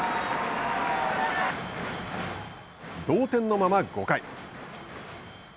同点のまま５回。